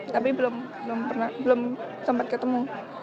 tapi belum belum pernah belum tempat ketemu